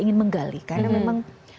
ingin menggali karena memang